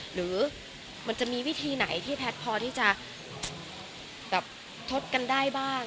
หรือมันจะมีวิธีไหนที่แพทย์พอที่จะแบบทดกันได้บ้าง